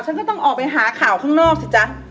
ฉันก็ต้องออกไปหาข่าวข้างนอกสิจ๊ะ